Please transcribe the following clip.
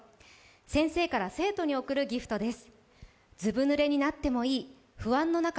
先生から生徒に贈るＧＩＦＴです。